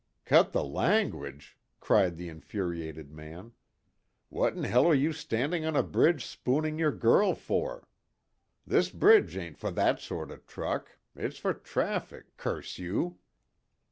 "Cut the language!" cried the infuriated man. "What in hell are you standing on a bridge spooning your girl for? This bridge ain't for that sort of truck it's for traffic, curse you!"